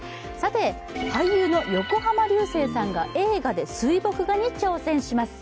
俳優の横浜流星さんが映画で水墨画に挑戦します。